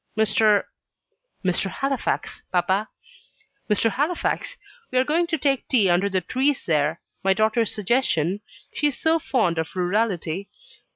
"Mr. Halifax, papa." "Mr. Halifax, we are going to take tea under the trees there my daughter's suggestion she is so fond of rurality.